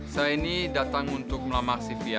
saya ini datang untuk melamar si fian